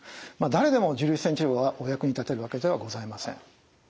誰でも重粒子線治療がお役に立てるわけではございません。